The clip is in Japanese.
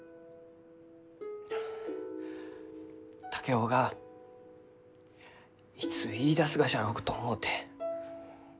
竹雄がいつ言いだすがじゃろうと思うて。